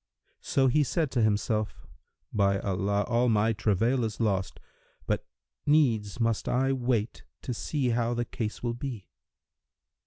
So he said to himself, "By Allah, all my travail is lost! But needs must I wait to see how the case will be."